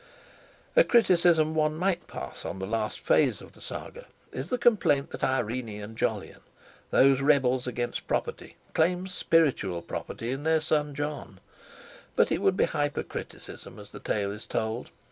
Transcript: A criticism one might pass on the last phase of the Saga is the complaint that Irene and Jolyon those rebels against property—claim spiritual property in their son Jon. But it would be hypercriticism, as the tale is told.